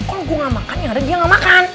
kalo gue gak makan nyaranya dia gak makan